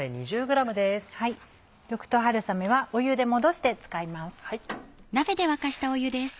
緑豆春雨は湯で戻して使います。